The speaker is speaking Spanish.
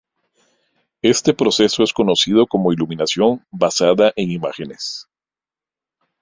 Este proceso es conocido como Iluminación basada en imágenes.